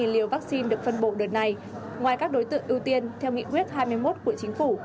với tám trăm linh liều vaccine được phân bộ đợt này ngoài các đối tượng ưu tiên theo nghị quyết hai mươi một của chính phủ